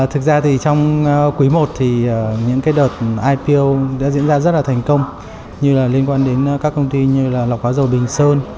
thực ra thì trong quý i thì những cái đợt ipo đã diễn ra rất là thành công như là liên quan đến các công ty như là lọc hóa dầu bình sơn